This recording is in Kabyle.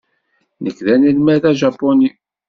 Nekk d anelmad ajapuni.